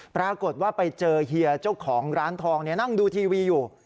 ปรากฏว่าไปเจอเฮียเจ้าของร้านทองนั่งดูทีวีอยู่